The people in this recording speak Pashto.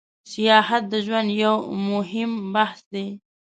سیاحت د ژوند یو موهیم بحث ده